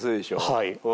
はい。